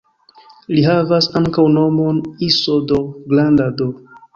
Li havas ankaŭ nomon "Iso D" (granda D).